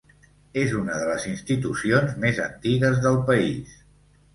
És una de les institucions més antigues del país.